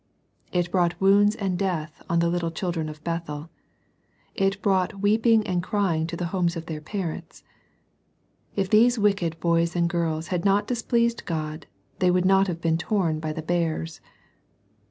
It brought wounds and death on the little children of Bethel. It brought weeping and crying to the homes of their parents. If these wicked boys and girls had not displeased God, they would not have been torn by the bears.